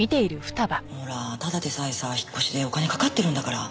ほらただでさえさ引っ越しでお金かかってるんだから。